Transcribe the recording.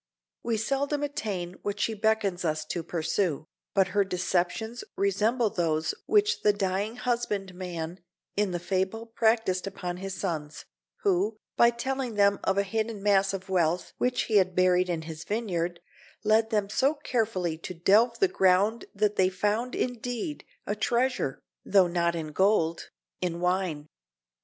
We seldom attain what she beckons us to pursue, but her deceptions resemble those which the dying husbandman in the fable practiced upon his sons, who, by telling them of a hidden mass of wealth which he had buried in his vineyard, led them so carefully to delve the ground that they found, indeed, a treasure, though not in gold, in wine.